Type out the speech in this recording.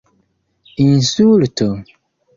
insulto